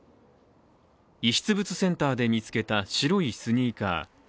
遺失物センターで見つけた白いスニーカー。